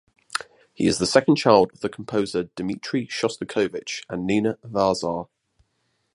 He is the second child of the composer Dmitri Shostakovich and Nina Varzar.